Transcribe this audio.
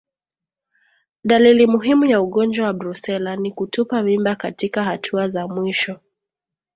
Dalili muhimu ya ugonjwa wa Brusela ni kutupa mimba katika hatua za mwisho